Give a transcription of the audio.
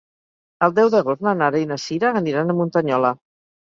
El deu d'agost na Nara i na Sira aniran a Muntanyola.